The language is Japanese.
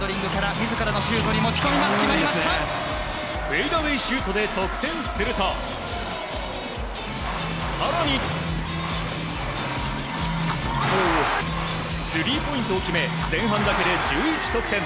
フェイダウェイシュートで得点すると更にスリーポイントを決め前半だけで１１得点。